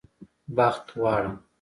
بخت غواړم